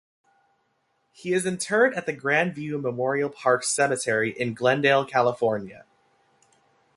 He is interred at the Grand View Memorial Park Cemetery in Glendale, California.